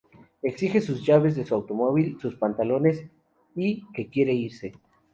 Exige sus llaves de su automóvil, sus pantalones y que quiere irse.